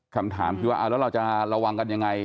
คำถามว่าเราจะระวังกันอย่างไร